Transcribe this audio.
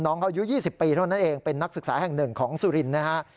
น้องเขาอายุ๒๐ปีเท่านั้นเองเป็นนักศึกษาแห่งหนึ่งของสุรินทร์นะฮะ